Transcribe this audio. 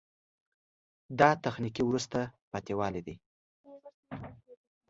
دا تخنیکي وروسته پاتې والی ده.